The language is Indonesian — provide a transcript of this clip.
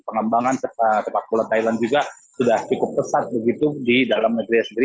pengembangan sepak bola thailand juga sudah cukup pesat begitu di dalam negeri sendiri